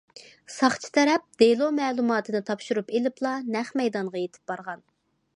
ساقچى تەرەپ دېلو مەلۇماتىنى تاپشۇرۇپ ئېلىپلا نەق مەيدانغا يېتىپ بارغان.